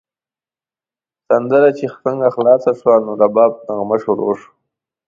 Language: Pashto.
سندره چې څنګه خلاصه شوه، نو د رباب نغمه شروع شوه.